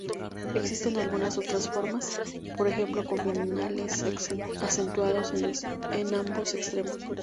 Existen algunas otras formas, por ejemplo, con finales acentuados en ambos extremos.